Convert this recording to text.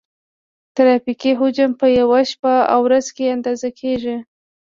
ترافیکي حجم په یوه شپه او ورځ کې اندازه کیږي